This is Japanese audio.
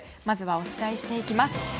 まずはお伝えしていきます。